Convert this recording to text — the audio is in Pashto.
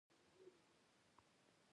د مالدارۍ پرمختګ د خوراکي توکو تولید لوړوي.